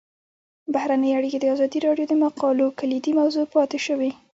بهرنۍ اړیکې د ازادي راډیو د مقالو کلیدي موضوع پاتې شوی.